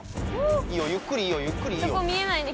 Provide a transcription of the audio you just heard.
いいよゆっくりいいよゆっくりいいよ。